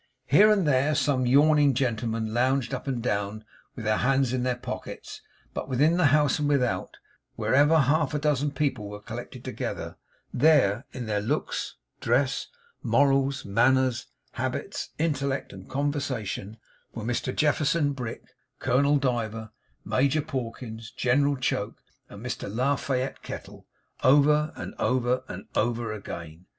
Here and there, some yawning gentlemen lounged up and down with their hands in their pockets; but within the house and without, wherever half a dozen people were collected together, there, in their looks, dress, morals, manners, habits, intellect, and conversation, were Mr Jefferson Brick, Colonel Diver, Major Pawkins, General Choke, and Mr La Fayette Kettle, over, and over, and over again.